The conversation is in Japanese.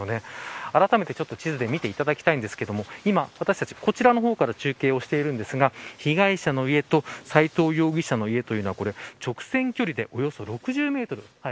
あらためて地図で見ていただきたいんですが今、私たち、こちらの方から中継してるんですが被害者の家と斎藤容疑者の家というのは直線距離でおよそ６０メートル。